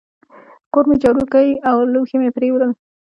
کور مي جارو کی او لوښي مي پرېولل.